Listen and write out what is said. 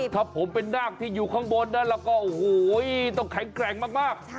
ถ้าผมเป็นนาคที่อยู่ข้างบนนั้นแล้วก็โอ้โหต้องแข็งแกร่งมาก